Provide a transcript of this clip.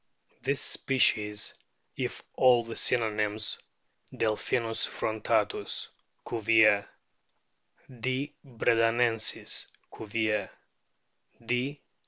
This species, if all the synonyms (Delphinus frontatus^ Cuvier ; D. bredanensis, Cuvier ; D.